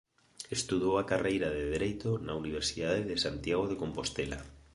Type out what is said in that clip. Estudou a carreira de dereito na Universidade de Santiago de Compostela.